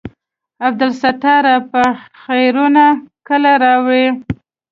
عبدالستاره په خيرونه کله رالې.